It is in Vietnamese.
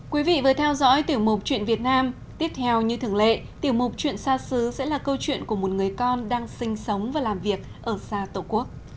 quý vị vừa theo dõi tiểu mục chuyện việt nam tiếp theo như thường lệ tiểu mục chuyện xa xứ sẽ là câu chuyện của một người con đang sinh sống và làm việc ở xa tổ quốc